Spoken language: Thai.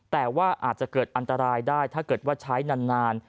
แต่ว่าอาจจะเกิดอันตรายได้ถ้าเกิดว่าใช้นาน